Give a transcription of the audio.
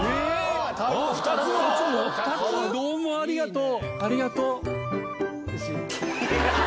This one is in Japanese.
どうもありがとう！